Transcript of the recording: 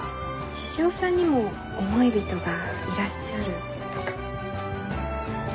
獅子王さんにも思い人がいらっしゃるとか？